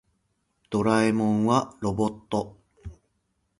ドラえもんはロボット。